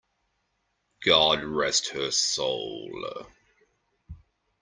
God rest her soul!